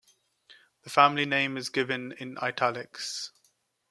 The family name is given in italics.